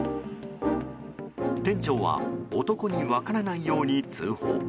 店長は男に分からないように通報。